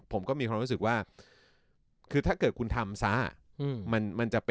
ผมก็มีความรู้สึกว่าคือถ้าเกิดคุณทำซะ